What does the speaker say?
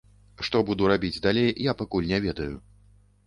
Што буду рабіць далей, я пакуль не ведаю.